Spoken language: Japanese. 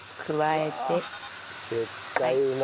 絶対うまいわ。